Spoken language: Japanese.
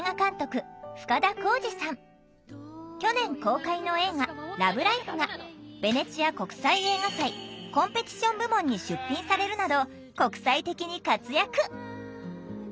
去年公開の映画「ＬＯＶＥＬＩＦＥ」がベネチア国際映画祭コンペティション部門に出品されるなど国際的に活躍